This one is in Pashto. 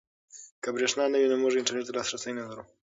که برېښنا نه وي موږ انټرنيټ ته لاسرسی نلرو.